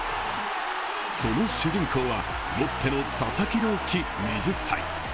その主人公は、ロッテの佐々木朗希２０歳。